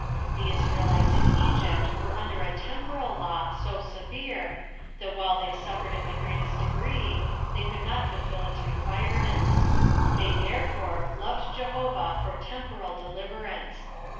The Is raelites in Egypt were under a temporal law so se vere, that while they suffered in the greatest degree, they could not fulfil its requirements : they there fore, loved Jehovah for temporal deliverance.